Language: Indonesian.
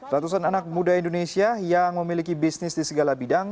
ratusan anak muda indonesia yang memiliki bisnis di segala bidang